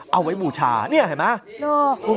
เอาไว้บูชานี่เห็นไหม